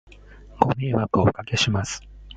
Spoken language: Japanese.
ご迷惑をお掛けします